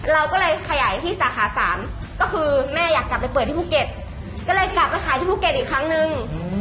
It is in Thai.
เราก็เลยขยายที่สาขา๓ก็คือแม่อยากกลับไปเปิดที่ภูเก็ตก็เลยกลับไปขายที่ภูเก็ตอีกครั้งนึง